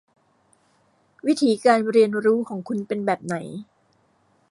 วิถีการเรียนรู้ของคุณเป็นแบบไหน